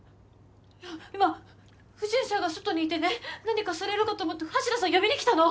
や今不審者が外にいてね何かされるかと思って橋田さん呼びに来たの。